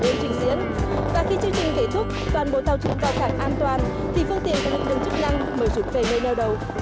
thì phương tiện và lực lượng chức năng mới rút về nơi nêu đầu